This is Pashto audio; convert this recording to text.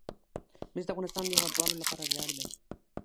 مس د افغانستان د هیوادوالو لپاره ویاړ دی.